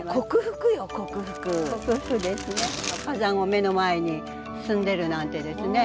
火山を目の前に住んでるなんてですね